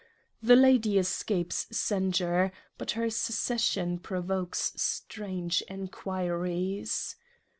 — The Lady escapes Censure, but her Secession pro vokes strange Enquiries.